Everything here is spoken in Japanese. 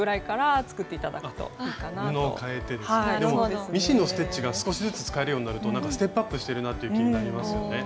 でもミシンのステッチが少しずつ使えるようになるとステップアップしてるなって気になりますよね。